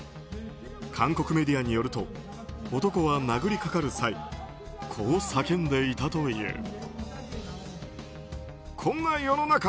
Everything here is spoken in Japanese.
韓国メディアによると男は殴りかかる際こう叫んでいたという。